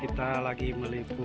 kita lagi meliput